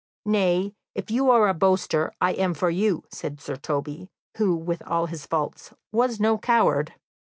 "Nay, if you are a boaster, I am for you," said Sir Toby, who, with all his faults, was no coward.